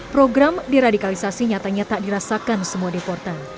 program diradikalisasi nyatanya tak dirasakan semua deportan